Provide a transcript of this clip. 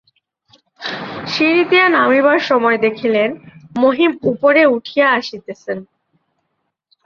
সিঁড়ি দিয়া নামিবার সময় দেখিলেন, মহিম উপরে উঠিয়া আসিতেছেন।